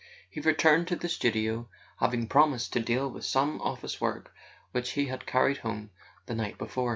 He returned to the studio, having promised to deal with some office work which he had carried home the night before.